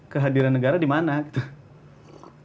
kehadiran negara dimana gitu